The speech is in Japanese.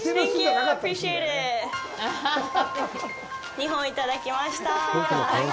２本いただきました。